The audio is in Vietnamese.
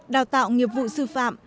đào tạo nghiệp vụ sư phạm